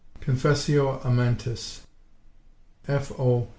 (Confessio amantis, fo.